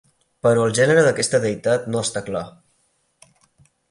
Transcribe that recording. Però el gènere d'aquesta deïtat no està clar.